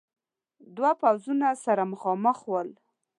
دو پوځونه سره مخامخ ول.